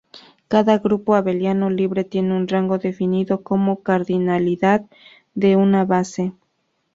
Cada grupo abeliano libre tiene un rango definido como la cardinalidad de una base.